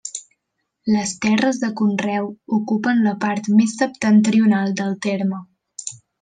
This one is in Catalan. Les terres de conreu ocupen la part més septentrional del terme.